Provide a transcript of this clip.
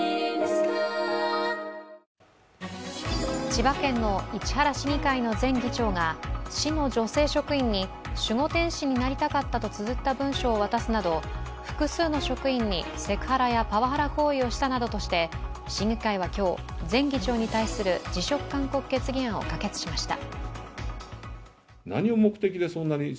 千葉県の市原市議会の前議長が市の女性職員に守護天使になりたかったとつづった文書を渡すなど複数の職員にセクハラやパワハラ行為をしたなどとして市議会は今日、前議長に対する辞職勧告決議を可決しました。